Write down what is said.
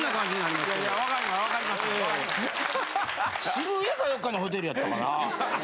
渋谷かどっかのホテルやったかなあ。